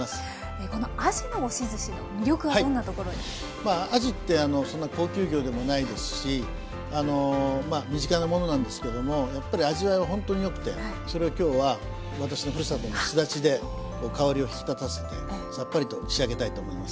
まああじってそんな高級魚でもないですし身近なものなんですけどもやっぱり味わいはほんとに良くてそれを今日は私のふるさとのすだちで香りを引き立たせてさっぱりと仕上げたいと思います。